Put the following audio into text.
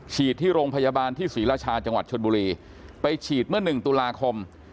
ที่โรงพยาบาลที่ศรีราชาจังหวัดชนบุรีไปฉีดเมื่อ๑ตุลาคม